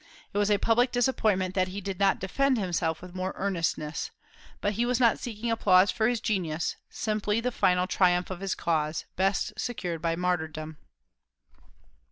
It was a public disappointment that he did not defend himself with more earnestness. But he was not seeking applause for his genius, simply the final triumph of his cause, best secured by martyrdom.